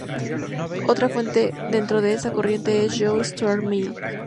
Otra fuente dentro de esta corriente es John Stuart Mill.